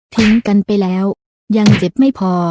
ทิ้งกันไปแล้วยังเจ็บไม่พอ